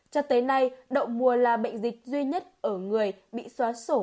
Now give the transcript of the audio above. cho tới nay đậu mùa là bệnh dịch duy nhất ở người bị xóa sổ